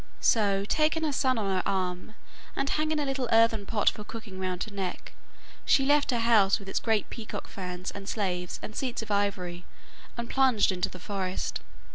So, taking her son on her arm, and hanging a little earthen pot for cooking round her neck, she left her house with its great peacock fans and slaves and seats of ivory, and plunged into the forest.